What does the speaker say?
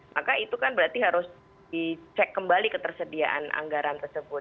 maka itu kan berarti harus dicek kembali ketersediaan anggaran tersebut